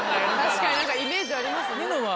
確かにイメージありますね。